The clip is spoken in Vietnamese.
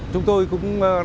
chúng tôi cũng